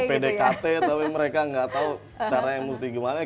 pdkt tapi mereka nggak tahu caranya mesti gimana